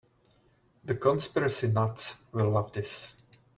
The conspiracy nuts will love this.